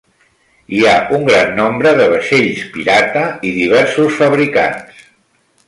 Hi ha un gran nombre de vaixells pirata i diversos fabricants.